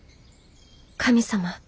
神様。